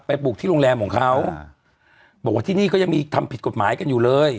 ปลูกที่โรงแรมของเขาบอกว่าที่นี่ก็ยังมีทำผิดกฎหมายกันอยู่เลย